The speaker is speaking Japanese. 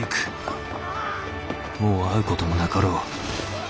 もう会うこともなかろう。